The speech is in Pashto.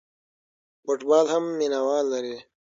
فوټبال هم مینه وال لري.